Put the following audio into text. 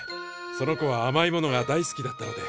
その子はあまいものが大好きだったので。